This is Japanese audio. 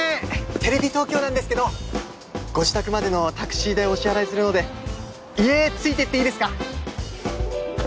テレビ東京なんですけどご自宅までのタクシー代お支払いするので家、ついて行ってイイですか？